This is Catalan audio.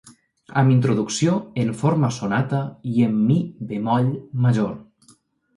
Amb introducció, en forma sonata i en mi bemoll major.